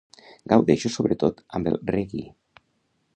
Gaudeixo sobretot amb el reggae.